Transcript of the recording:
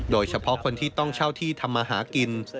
โดยเฉพาะคนที่ต้องเช่าที่ทำมาหากิน